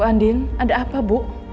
andin ada apa bu